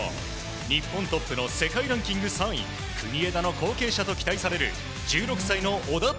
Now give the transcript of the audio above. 日本トップの世界ランキング３位国枝の後継者と期待される１６歳の小田凱